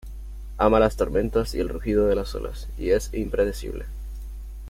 Ama las tormentas y el rugido de las olas y es impredecible.